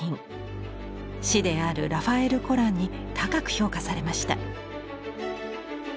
師であるラファエル・コランに高く評価されました。